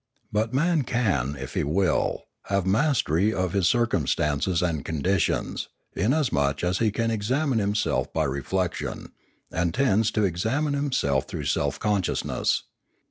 But man can, if he will, have mastery of his circum stances and conditions, inasmuch as he can examine himself by reflection, and tends to examine himself Ethics 559 through self consciousness.